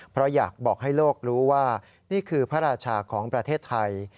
เพราะอยากบอกให้โลกรู้ว่านี่คือพระราชาของประเทศไทย